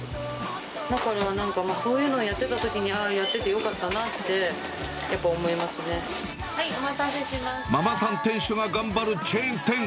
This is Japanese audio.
だからなんか、そういうのをやっていたときに、ああ、やっててよかったなってやママさん店主が頑張るチェーン店。